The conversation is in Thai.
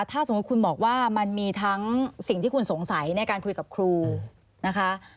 ถ้าสมมุติคุณบอกว่ามันมีทั้งสิ่งที่คุณสงสัยในการคุยกับครูนะคะ